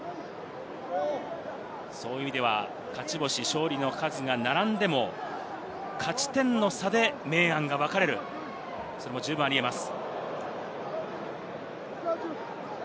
そういう意味では勝ち星、勝利の数が並んでも勝ち点の差で、明暗が分かれる、十分ありえます。